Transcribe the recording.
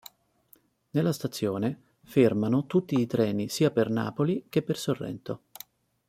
Nella stazione fermano tutti i treni sia per Napoli che per Sorrento.